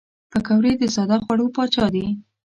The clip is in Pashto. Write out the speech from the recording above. پکورې د ساده خوړو پاچا دي